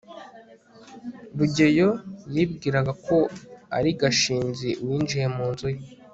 rugeyo yibwiraga ko ari gashinzi winjiye mu nzu ye